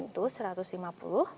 yang reguler itu seratus lima puluh